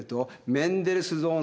メンデルスゾーン。